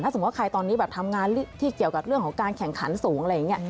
สมมุติว่าใครตอนนี้แบบทำงานที่เกี่ยวกับเรื่องของการแข่งขันสูงอะไรอย่างนี้